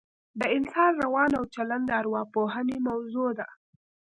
د انسان روان او چلن د اوراپوهنې موضوع ده